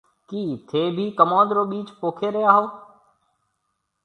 ڪِي ٿَي ڀِي ڪموُند رو ٻِيج پوکي ريا هون۔